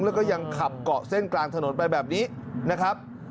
แล้วก็ยังขับเกาะเส้นกลางถนนไปแบบนี้นะครับ